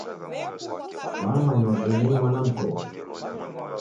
Kwamanya ini ni mwana mkoo